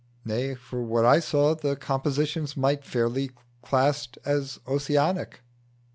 Nay, for what I saw, the compositions might be fairly classed as Ossianic.